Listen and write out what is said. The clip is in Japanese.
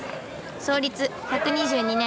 創立１２２年。